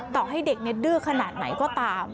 ต่อให้เด็กดื้อขนาดไหนก็ตาม